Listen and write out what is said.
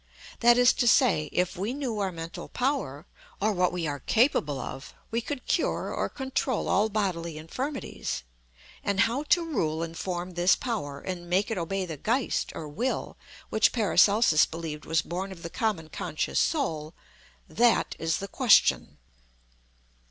That is to say, if we knew our mental power, or what we are capable of, we could cure or control all bodily infirmities. And how to rule and form this power, and make it obey the Geist or Will which PARACELSUS believed was born of the common conscious Soul that is the question.